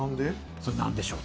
それ何でしょう？